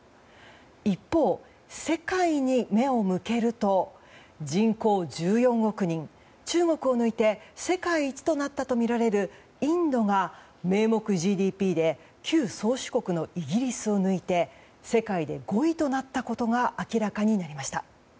一方、世界に目を向けると人口１４億人、中国を抜いて世界一となったとみられるインドが、名目ＧＤＰで旧宗主国のイギリスを抜いて世界で５位となったことが明らかになりました。